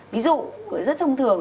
ví dụ rất thông thường